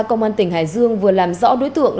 công an tỉnh hải dương vừa làm rõ đối tượng